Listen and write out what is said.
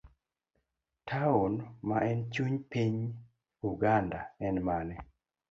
taon ma en chuny piny Uganda en mane?